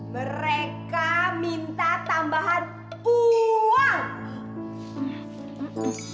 mereka minta tambahan uang